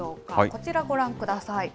こちら、ご覧ください。